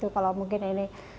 kalau mungkin ini